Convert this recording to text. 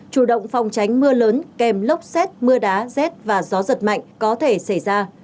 chủ động phòng tránh mưa lớn kèm lốc xét mưa đá và gió giật mạnh có thể xảy ra